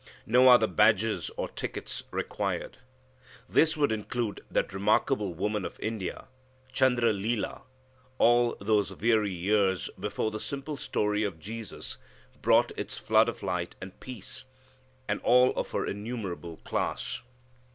No other badges or tickets required. This would include that remarkable woman of India, Chundra Lelah, all those weary years before the simple story of Jesus brought its flood of light and peace, and all of her innumerable class.